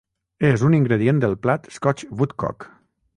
És un ingredient del plat Scotch woodcock.